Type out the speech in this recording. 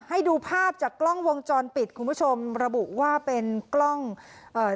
ให้ดูภาพจากกล้องวงจรปิดคุณผู้ชมระบุว่าเป็นกล้องเอ่อ